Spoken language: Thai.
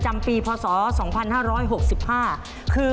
ไม่รู้